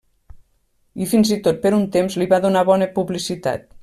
I fins i tot per un temps li va donar bona publicitat.